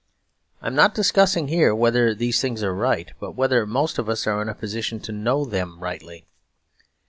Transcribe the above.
I am not discussing here whether these things are right, but whether most of us are in a position to know them rightly.